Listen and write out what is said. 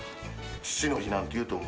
父の日なんていうともう。